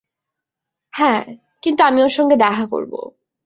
হ্যাঁ, কিন্তু আমি ওর সঙ্গে দেখা করব।